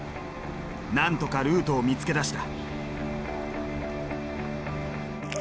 なんとかルートを見つけ出した。